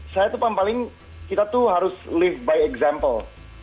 saya tuh paling paling kita tuh harus lift by example